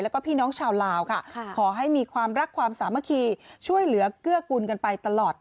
แล้วก็พี่น้องชาวลาวค่ะขอให้มีความรักความสามัคคีช่วยเหลือเกื้อกุลกันไปตลอด